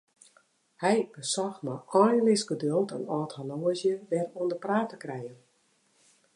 Hy besocht mei einleas geduld in âld horloazje wer oan 'e praat te krijen.